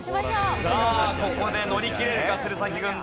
さあここで乗り切れるか鶴崎軍団。